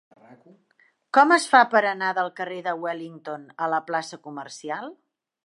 Com es fa per anar del carrer de Wellington a la plaça Comercial?